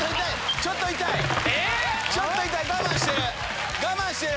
ちょっと痛い、我慢してる。